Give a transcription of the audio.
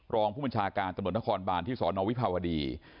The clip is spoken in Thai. รองผู้บัญชาการตำรวจนครบานที่สอนอวิภาวดี